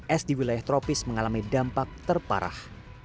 es di wilayah tropis mengalami dampak terparah